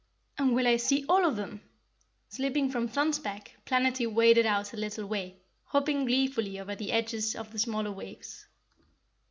"And will I see all of them?" Slipping from Thun's back Planetty waded out a little way, hopping gleefully over the edges of the smaller waves.